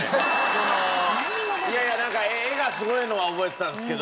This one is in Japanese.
そのいやいやなんか画がすごいのは覚えてたんですけど。